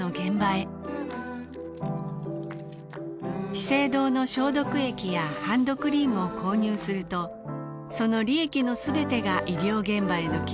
資生堂の消毒液やハンドクリームを購入するとその利益のすべてが医療現場への寄付になります